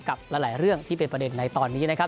กับหลายเรื่องที่เป็นประเด็นในตอนนี้นะครับ